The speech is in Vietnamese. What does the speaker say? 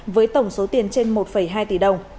với tổng số tiền trên một hai tỷ đồng